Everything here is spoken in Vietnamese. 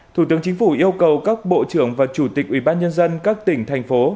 thủ tướng chính phủ yêu cầu các bộ trưởng và chủ tịch ủy ban nhân dân các tỉnh thành phố